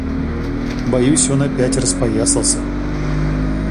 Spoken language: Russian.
Боюсь, он опять распоясался.